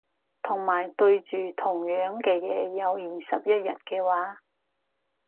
同埋對住同樣嘅嘢有二十一日嘅話